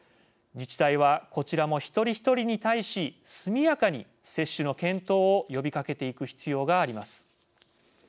自治体はこちらも１人１人に対し速やかに接種の検討を呼びかけていく必要があります。